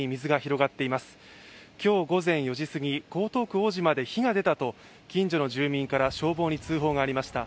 今日午前４時過ぎ、江東区大島で火が出たと近所の住民から消防に通報がありました。